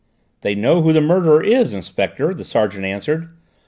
"They know who the murderer is, Inspector," the sergeant answered.